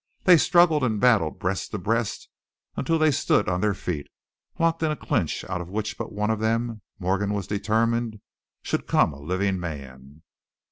They struggled and battled breast to breast, until they stood on their feet, locked in a clinch out of which but one of them, Morgan was determined, should come a living man.